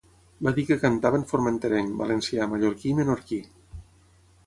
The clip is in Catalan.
Va dir que cantava en formenterenc, valencià, mallorquí i menorquí.